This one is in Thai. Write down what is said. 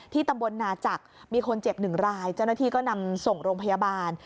ตำบลนาจักรมีคนเจ็บหนึ่งรายเจ้าหน้าที่ก็นำส่งโรงพยาบาล